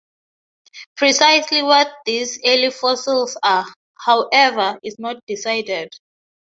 Precisely what these early fossils are, however, is not decided.